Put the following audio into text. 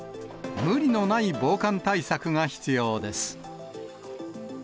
無理のない防寒対策が必要です。